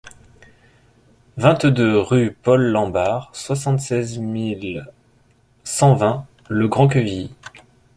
vingt-deux rue Paul Lambard, soixante-seize mille cent vingt Le Grand-Quevilly